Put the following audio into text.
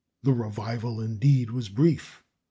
The revival, indeed, was brief.